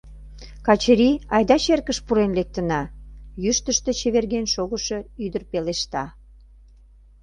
— Качыри, айда черкыш пурен лектына, — йӱштыштӧ чеверген шогышо ӱдыр пелешта.